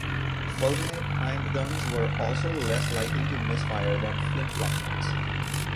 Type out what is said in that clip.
Fulminate-primed guns were also less likely to misfire than flintlock guns.